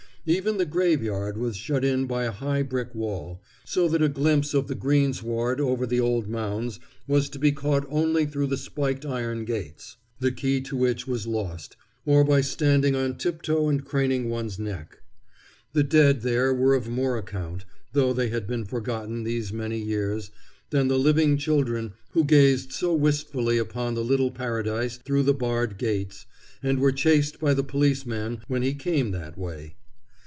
Even the graveyard was shut in by a high brick wall, so that a glimpse of the greensward over the old mounds was to be caught only through the spiked iron gates, the key to which was lost, or by standing on tiptoe and craning one's neck. The dead there were of more account, though they had been forgotten these many years, than the living children who gazed so wistfully upon the little paradise through the barred gates, and were chased by the policeman when he came that way.